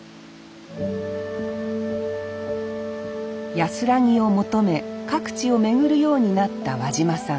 安らぎを求め各地を巡るようになった和嶋さん。